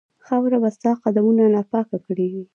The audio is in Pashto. خاوره به ستا قدمونو ناپاکه کړې وي.